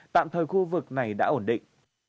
tạm thời khu vực này đã ổn định